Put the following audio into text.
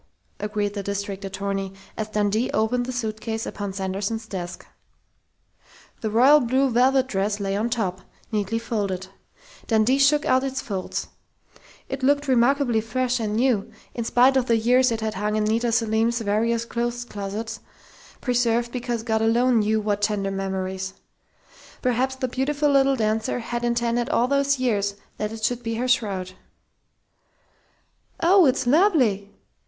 agreed the district attorney, as Dundee opened the suitcase upon Sanderson's desk. The royal blue velvet dress lay on top, neatly folded. Dundee shook out its folds. It looked remarkably fresh and new, in spite of the years it had hung in Nita Selim's various clothes closets, preserved because of God alone knew what tender memories. Perhaps the beautiful little dancer had intended all those years that it should be her shroud.... "Oh, it's lovely!"